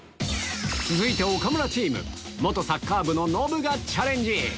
続いて元サッカー部のノブがチャレンジ